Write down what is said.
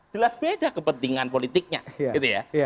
jelas beda kepentingan politiknya gitu ya